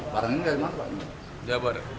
barang ini ga ada mana pak